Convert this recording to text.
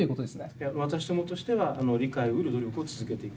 いや私どもとしては理解をうる努力を続けていく。